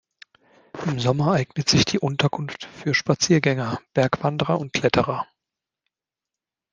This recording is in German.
Im Sommer eignet sich die Unterkunft für Spaziergänger, Bergwanderer und Kletterer.